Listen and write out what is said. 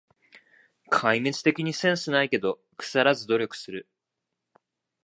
壊滅的にセンスないけど、くさらず努力する